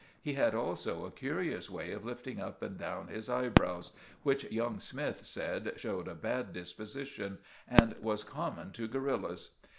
He had also a curious way of lifting up and down his eyebrows, which young Smythe said showed a bad disposition, and was common to gorillas.